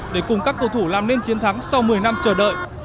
để cùng các cầu thủ làm nên chiến thắng sau một mươi năm chờ đợi